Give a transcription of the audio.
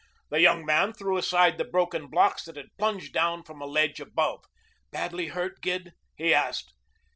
The young man threw aside the broken blocks that had plunged down from a ledge above. "Badly hurt, Gid?" he asked.